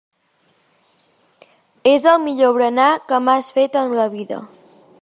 És el millor berenar que m'has fet en la vida.